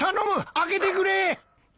開けてくれ！